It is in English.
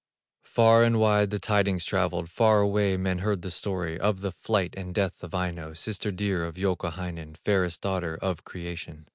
Far and wide the tidings travelled, Far away men heard the story Of the flight and death of Aino, Sister dear of Youkahainen, Fairest daughter of creation.